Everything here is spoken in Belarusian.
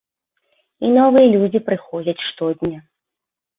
І новыя людзі прыходзяць штодня.